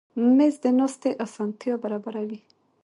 مېز د ناستې اسانتیا برابروي.